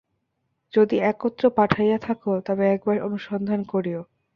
যদি একত্র পাঠাইয়া থাকো, তবে একবার অনুসন্ধান করিও।